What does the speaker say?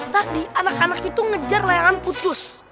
tadi anak anak itu ngejar layangan putus